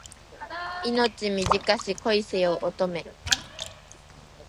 命短し恋せよ乙女